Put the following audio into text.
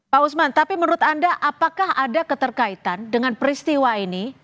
pak usman tapi menurut anda apakah ada keterkaitan dengan peristiwa ini